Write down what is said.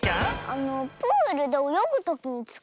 あのプールでおよぐときにつかうやつ？